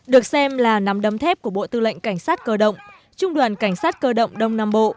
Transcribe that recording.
được xem là nắm đấm thép của bộ tư lệnh cảnh sát cơ động trung đoàn cảnh sát cơ động đông nam bộ